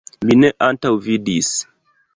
Mi ne antaŭvidis.